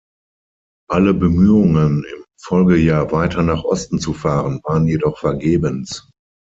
Alle Bemühungen, im Folgejahr weiter nach Osten zu fahren, waren jedoch vergebens.